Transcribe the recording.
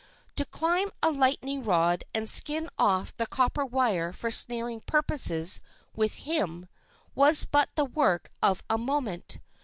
To climb a lightning rod and skin off the copper wire for snaring purposes with him was but the work of a moment.